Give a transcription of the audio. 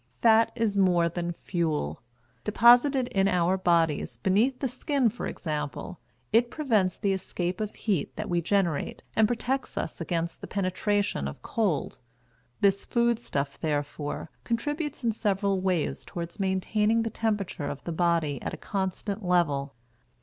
Fat is more than fuel. Deposited in our bodies, beneath the skin for example, it prevents the escape of heat that we generate and protects us against the penetration of cold. This food stuff, therefore, contributes in several ways toward maintaining the temperature of the body at a constant level.